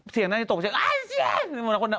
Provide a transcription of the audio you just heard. เสียงนางจะตกอ้าวเสียง